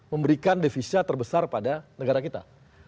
memberikan devisa terbesar pada negara kita